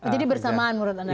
jadi bersamaan menurut anda